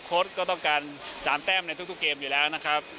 ก็ต้องการ๓แต้มในทุกเกมอยู่แล้วนะครับ